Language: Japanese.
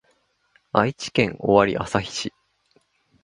愛知県尾張旭市